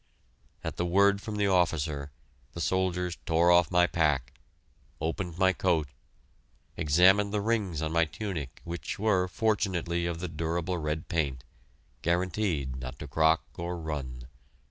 At the word from the officer, the soldiers tore off my pack, opened my coat, examined the rings on my tunic which were, fortunately, of the durable red paint, guaranteed not to crock or run.